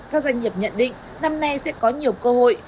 các doanh nghiệp nhận định năm nay sẽ có nhiều cơ hội